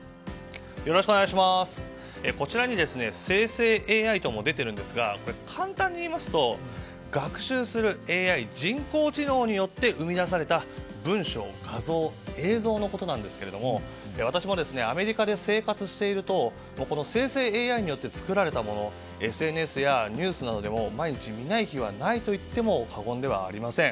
こちらに生成ＡＩと出ていますがこれ、簡単に言いますと学習するＡＩ・人工知能によって生み出された文章、画像、映像のことですが私もアメリカで生活しているとこの生成ＡＩによって作られたものＳＮＳやニュースなどでも毎日見ない日はないといっても過言ではありません。